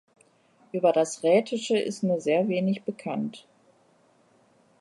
Über das Rätische ist nur sehr wenig bekannt.